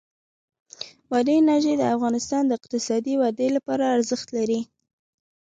بادي انرژي د افغانستان د اقتصادي ودې لپاره ارزښت لري.